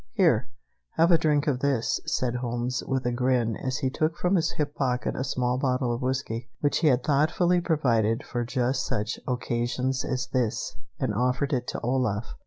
Here, have a drink of this," said Holmes, with a grin, as he took from his hip pocket a small bottle of whiskey, which he had thoughtfully provided for just such occasions as this, and offered it to Olaf.